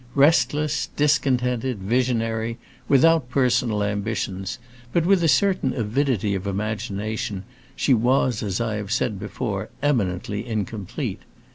Restless, discontented, visionary, without personal ambitions, but with a certain avidity of imagination, she was, as I have said before, eminently incomplete.